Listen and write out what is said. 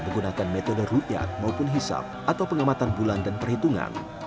menggunakan metode rukyat maupun hisap atau pengamatan bulan dan perhitungan